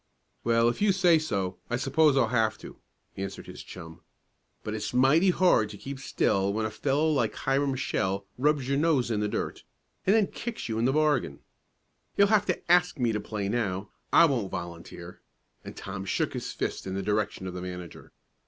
"Well, if you say so, I suppose I'll have to," answered his chum, "but it's mighty hard to keep still when a fellow like Hiram Shell rubs your nose in the dirt, and then kicks you in the bargain. He'll have to ask me to play now. I won't volunteer!" and Tom shook his fist in the direction of the manager.